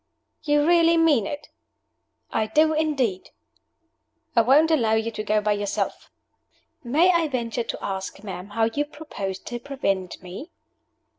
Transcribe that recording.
"You really mean it?" "I do, indeed." "I won't allow you to go by yourself." "May I venture to ask, ma'am how you propose to prevent me?"